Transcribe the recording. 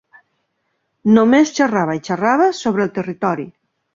Només xerrava i xerrava sobre el territori.